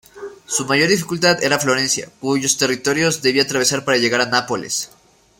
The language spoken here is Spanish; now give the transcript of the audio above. Su mayor dificultad era Florencia, cuyos territorios debía atravesar para llegar a Nápoles.